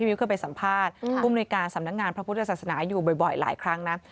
มิ้วเคยไปสัมภาษณ์ผู้มนุยการสำนักงานพระพุทธศาสนาอยู่บ่อยหลายครั้งนะ